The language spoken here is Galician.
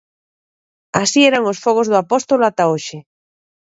Así eran os Fogos do Apóstolo ata hoxe.